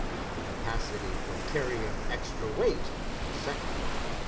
The capacity for carrying extra weight the second.